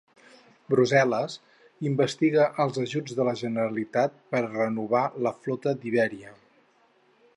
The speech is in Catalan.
Brussel·les investiga els ajuts de la Generalitat per a renovar la flota d'Iberia.